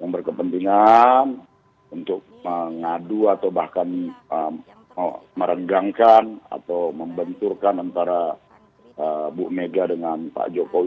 yang berkepentingan untuk mengadu atau bahkan merenggangkan atau membenturkan antara bu mega dengan pak jokowi